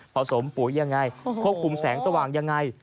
สมปุ๋ยยังไงควบคุมแสงสว่างยังไง